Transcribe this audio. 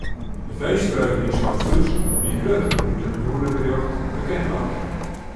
De feestfreugde yn Swartslús wie grut doe't it goede berjocht bekend waard.